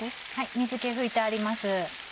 水気拭いてあります。